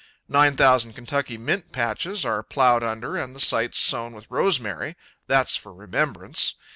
Nine thousand Kentucky mint patches are plowed under and the sites sown with rosemary; that's for remembrance.